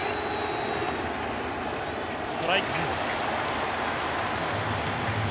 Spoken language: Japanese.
ストライク。